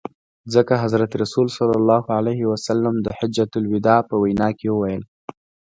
ځکه حضرت رسول ص د حجة الوداع په وینا کي وویل.